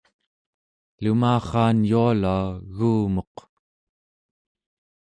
lumarraan yualua egumuq